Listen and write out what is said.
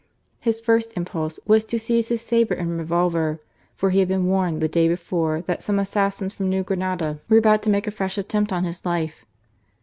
His first impulse was to seize his sabre and re volver, for he had been warned the day before that some assassins from New Granada were about to make a fresh attempt on his life.